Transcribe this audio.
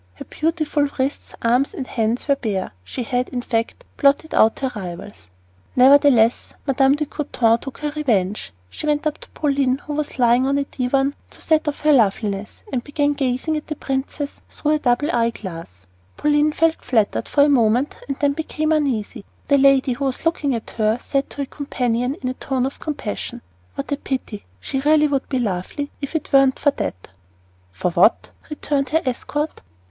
Her beautiful wrists, arms, and hands were bare. She had, in fact, blotted out her rivals. Nevertheless, Mme. de Coutades took her revenge. She went up to Pauline, who was lying on a divan to set off her loveliness, and began gazing at the princess through a double eye glass. Pauline felt flattered for a moment, and then became uneasy. The lady who was looking at her said to a companion, in a tone of compassion: "What a pity! She really would be lovely if it weren't for THAT!" "For what?" returned her escort.